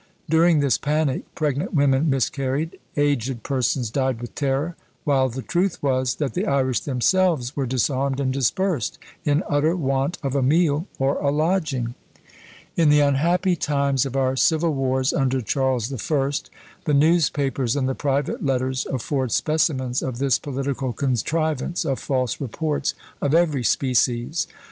During this panic pregnant women miscarried, aged persons died with terror, while the truth was, that the Irish themselves were disarmed and dispersed, in utter want of a meal or a lodging! In the unhappy times of our civil wars under Charles the First, the newspapers and the private letters afford specimens of this political contrivance of false reports of every species.